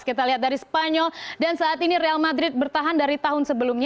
kita lihat dari spanyol dan saat ini real madrid bertahan dari tahun sebelumnya